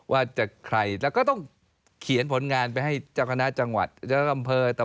ว่าจะใครแล้วก็ต้องเขียนผลงานไปให้เจ้าคณะจังหวัดเจ้าอำเภอ